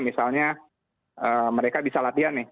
misalnya mereka bisa latihan nih